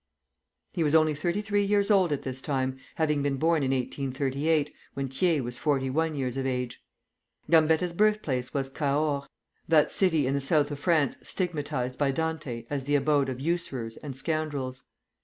He was only thirty three years old at this time, having been born in 1838, when Thiers was forty one years of age. Gambetta's birthplace was Cahors, that city in the South of France stigmatized by Dante as the abode of usurers and scoundrels.